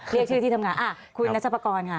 เรียกชื่อที่ทำงานคุยกับนักจับประกอบค่ะ